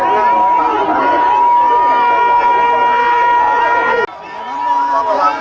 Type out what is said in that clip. สวัสดีครับ